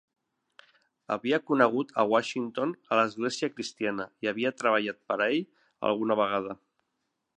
Havia conegut a Washington a l'Església Cristiana i havia treballat per a ell alguna vegada.